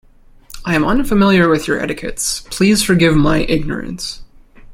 I am unfamiliar with your etiquettes, please forgive my ignorance.